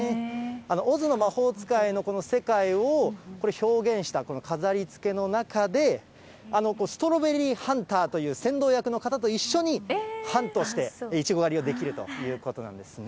オズの魔法使いの世界を表現した飾りつけの中で、ストロベリーハンターという先導役の方と一緒に、ハントしてイチゴ狩りができるということなんですね。